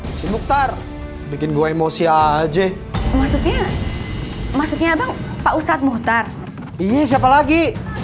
pak ustadz muhtar bikin gue emosi aja maksudnya maksudnya pak ustadz muhtar iya siapa lagi